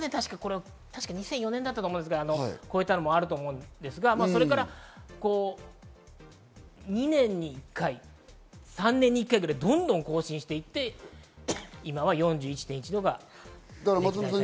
２００４年だったと思いますが、超えたのもあると思いますが、それから２年に１回、３年に１回くらいどんどん更新していって、今は４１．１度が最高です。